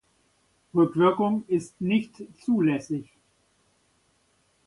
Rückwirkung ist nicht zulässig.